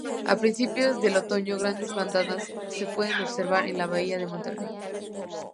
A principios del otoño grandes bandadas se puede observar en la bahía de Monterey.